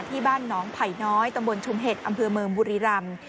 ที่บ้านหนองไผ่น้อยตำบลชุมเห็ดอำเภอเมืองบุรีรำ